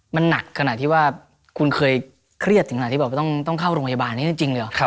มันหนักการที่ว่าคุณเคยเครียดถึงขนาดต้องเข้ารมยาบาล